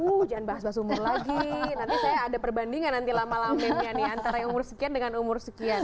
uh jangan bahas bahas umur lagi nanti saya ada perbandingan nanti lama lama antara umur sekian dengan umur sekian